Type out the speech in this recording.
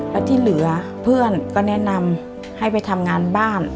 แล้วที่เหลือเพื่อนก็แนะนำให้ไปทำงานบ้าน